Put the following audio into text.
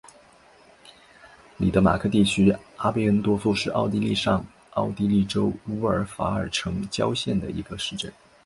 里德马克地区阿贝恩多夫是奥地利上奥地利州乌尔法尔城郊县的一个市镇。